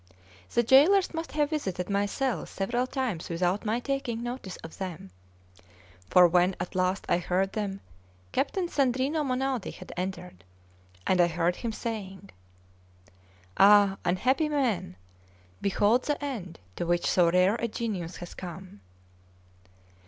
The jailers must have visited my cell several times without my taking notice of them; for when at last I heard them, Captain Sandrino Monaldi had entered, and I heard him saying: "Ah, unhappy man! behold the end to which so rare a genius has come!"